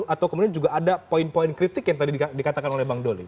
atau kemudian juga ada poin poin kritik yang tadi dikatakan oleh bang doli